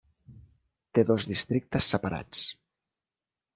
Té dos districtes separats.